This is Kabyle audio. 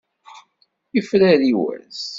Yefrari wass.